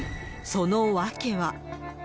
その訳は。